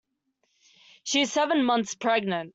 She is seven months pregnant.